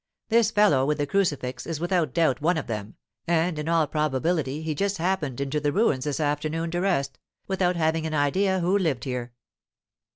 This fellow with the crucifix is without doubt one of them, and in all probability he just happened into the ruins this afternoon to rest, without having an idea who lived here.